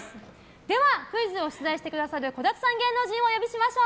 ではクイズを出題してくださる子だくさん芸能人をお呼びしましょう。